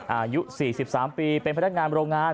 อายุ๔๓ปีเป็นพนักงานโรงงาน